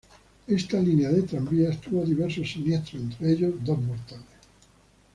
Esta línea de tranvías tuvo diversos siniestros, entre ellos dos mortales.